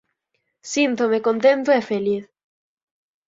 Síntome contento e feliz.